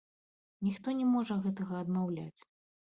Ніхто не можа гэтага адмаўляць.